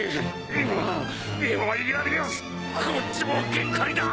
こっちも限界だ！